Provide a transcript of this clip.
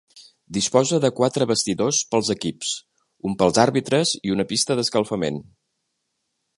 Disposa de quatre vestidors pels equips, un pels àrbitres i una pista d'escalfament.